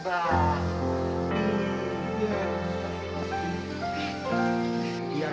sekarang puluhan jumlah kebanggaan itu